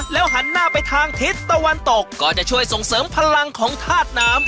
หันหน้าไปทางทิศตะวันตกก็จะช่วยส่งเสริมพลังของธาตุน้ำ